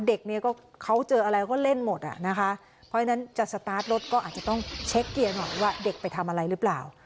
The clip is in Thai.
เด็กเนี่ยก็เขาเจออะไรก็เล่นหมดอ่ะนะคะเพราะฉะนั้นจะสตาร์ทรถก็อาจจะต้องเช็คเกียร์หน่อยว่าเด็กไปทำอะไรหรือเปล่า